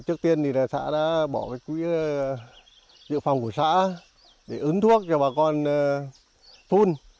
trước tiên thì xã đã bỏ quỹ dự phòng của xã để ứng thuốc cho bà con phun